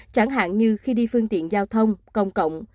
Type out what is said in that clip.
chẳng hạn như khi đi phương tiện giao thông công cộng